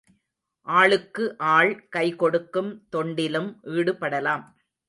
ஆளுக்கு ஆள் கைக்கொடுக்கும் தொண்டிலும் ஈடுபடலாம்.